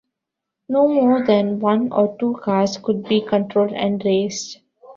No more than one or two cars could be controlled and raced.